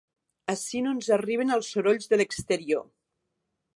Ací no ens arriben els sorolls de l'exterior.